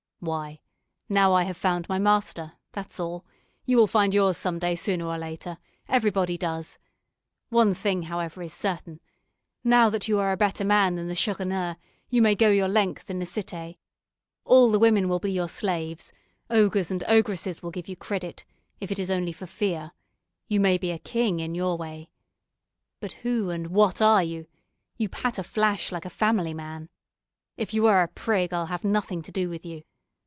"Why, now I have found my master, that's all; you will find yours some day sooner or later, everybody does. One thing, however, is certain; now that you are a better man than the Chourineur, you may 'go your length' in the Cité. All the women will be your slaves; ogres and ogresses will give you credit, if it is only for fear; you may be a king in your way! But who and what are you? You 'patter flash' like a family man! If you are a 'prig' I'll have nothing to do with you.